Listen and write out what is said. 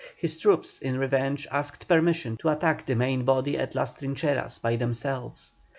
His troops, in revenge, asked permission to attack the main body at Las Trincheras by themselves.